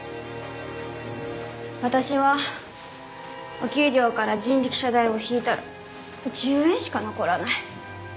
私はお給料から人力車代を引いたら１０円しか残らない。